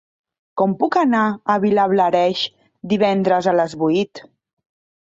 Com puc anar a Vilablareix divendres a les vuit?